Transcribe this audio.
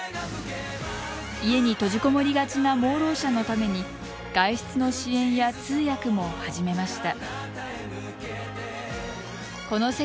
家に閉じこもりがちな盲ろう者のために外出の支援や通訳も始めました。